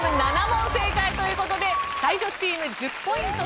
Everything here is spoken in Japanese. ７問正解という事で才女チーム１０ポイント